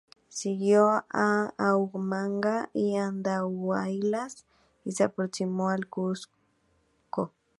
Siguió a Huamanga y Andahuaylas, y se aproximó al Cuzco.